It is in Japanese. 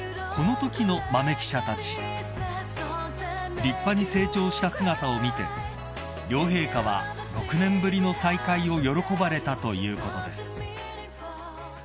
［立派に成長した姿を見て両陛下は６年ぶりの再会を喜ばれたということです］